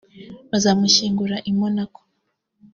bazamushyingura i Monaco